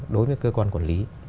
đối với cơ quan quản lý